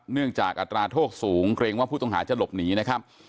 จากอัตราโทษสูงเกรงว่าผู้ต้องหาจะหลบหนีนะครับ